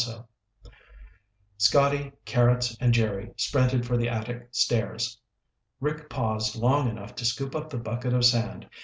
Scotty, Carrots, and Jerry sprinted for the attic stairs. Rick paused long enough to scoop up the bucket of sand.